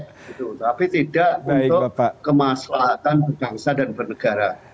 tapi tidak untuk kemaslahatan bergangsa dan bernegara